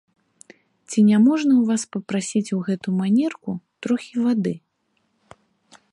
Ці няможна ў вас папрасіць у гэту манерку трохі вады?